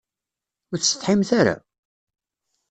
Ur tessetḥimt ara?